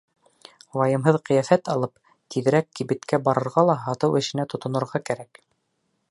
Вайымһыҙ ҡиәфәт алып, тиҙерәк кибеткә барырға ла һатыу эшенә тотонорға кәрәк.